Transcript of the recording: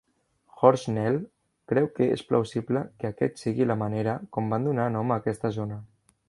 Horsnell creu que és plausible que aquest sigui la manera com van donar nom a aquesta zona.